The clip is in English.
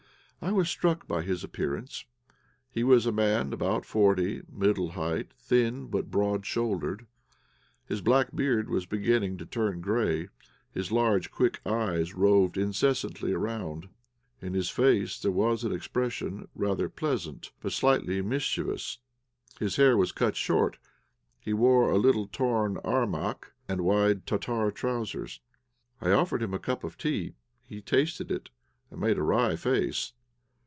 I was struck by his appearance. He was a man about forty, middle height, thin, but broad shouldered. His black beard was beginning to turn grey; his large quick eyes roved incessantly around. In his face there was an expression rather pleasant, but slightly mischievous. His hair was cut short. He wore a little torn armak, and wide Tartar trousers. I offered him a cup of tea; he tasted it, and made a wry face.